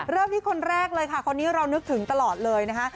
เริ่มที่คนแรกเลยค่ะคนนี้เรานึกถึงตลอดเลยนะคะ